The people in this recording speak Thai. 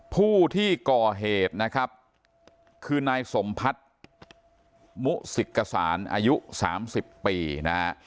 ผู้ที่ก่อเหตุนะครับคือนายสมพัฒน์มุสิกษานอายุ๓๐ปีนะฮะ